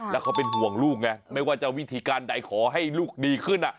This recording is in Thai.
แล้วเขาเป็นห่วงลูกไงไม่ว่าจะวิธีการใดขอให้ลูกดีขึ้น